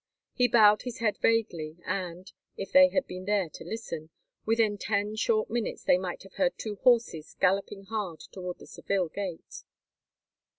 He bowed his head vaguely, and—if any had been there to listen—within ten short minutes they might have heard two horses galloping hard towards the Seville gate.